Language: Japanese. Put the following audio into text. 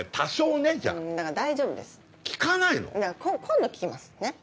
今度聞きますねっ？